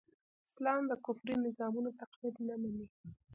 اسلام د کفري نظامونو تقليد نه مني.